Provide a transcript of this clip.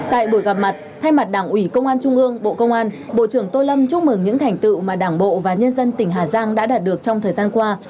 tại buổi gặp mặt thay mặt đảng ủy công an trung ương bộ công an bộ trưởng tô lâm chúc mừng những thành tựu mà đảng bộ và nhân dân tỉnh hà giang đã đạt được trong thời gian qua